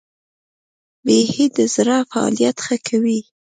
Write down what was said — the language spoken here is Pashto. بیهي د زړه فعالیت ښه کوي.